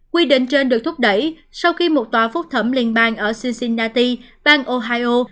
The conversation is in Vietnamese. quy định trên được thúc đẩy sau khi một tòa phúc thẩm liên bang ở sisinati bang ohio